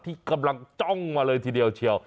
ที่กำลังจ้องมาเลยทีเดียวเชียว